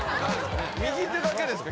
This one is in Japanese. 右手だけですか？